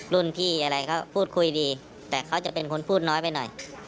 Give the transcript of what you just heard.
รุ่นพี่อะไรเขาพูดคุยดีแต่เขาจะเป็นคนพูดน้อยไปหน่อย